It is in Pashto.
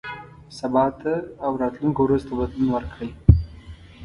سبا ته او راتلونکو ورځو ته بدلون ورکړئ.